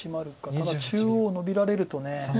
ただ中央ノビられると。